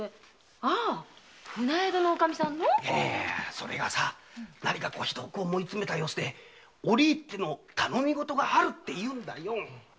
それがさなにかひどく思い詰めた様子で「折り入っての頼みごとがある」って言うんだよ。